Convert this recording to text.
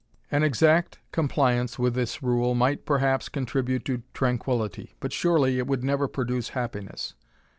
An exact compliance with this rule might, perhaps, con tribute to tranquillity, but surely it would never produce happiness.